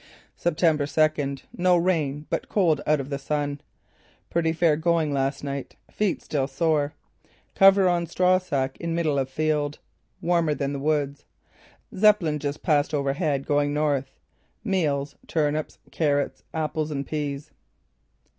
"September second: No rain, but cold out of the sun. Pretty fair going last night. Feet still sore. Cover on straw stack in middle of field. Warmer than the woods. Zeppelin just passed overhead going north. Meals: turnips, carrots, apples and peas."